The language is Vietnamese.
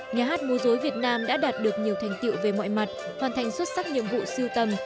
nhà hát mô dối việt nam đã đạt được nhiều thành tiệu về mọi mặt hoàn thành xuất sắc nhiệm vụ siêu tầm